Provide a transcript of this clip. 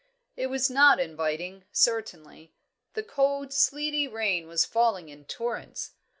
It was not inviting, certainly. The cold, sleety rain was falling in torrents.